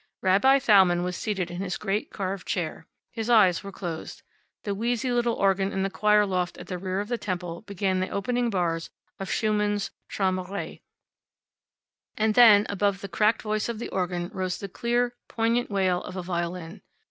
Rabbi Thalmann was seated in his great carved chair. His eyes were closed. The wheezy little organ in the choir loft at the rear of the temple began the opening bars of Schumann's Traumerei. And then, above the cracked voice of the organ, rose the clear, poignant wail of a violin.